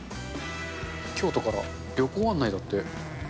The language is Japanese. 京都から旅行案内だって。